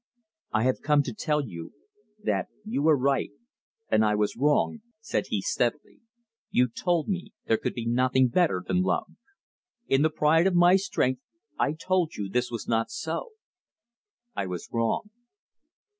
"I have come to tell you that you were right and I was wrong," said he steadily. "You told me there could be nothing better than love. In the pride of my strength I told you this was not so. I was wrong."